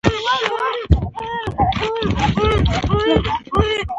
زمانشاه حرکت خطرناک ماهیت درلود.